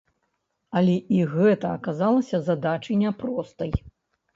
Але і гэта аказалася задачай няпростай.